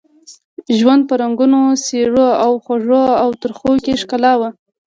د ژوند په رنګونو، څېرو او خوږو او ترخو کې ښکلا وه.